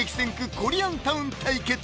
・コリアンタウン対決！